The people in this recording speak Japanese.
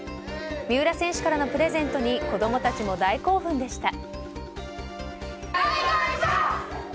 三浦選手からのプレゼントに子供たちも大興奮でした。